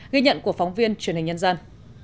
ghi nhận của phóng viên truyền hình nhân dân